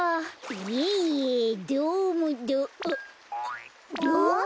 いえいえどうもどうあっ！